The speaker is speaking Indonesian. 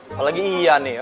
apalagi iyane ya